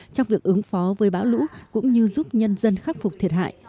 trong việc ứng phó với bão lũ cũng như giúp nhân dân khắc phục thiệt hại